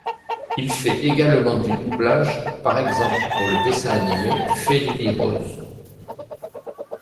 Il fait également du doublage, par exemple pour le dessin animé Fée Lili-Rose.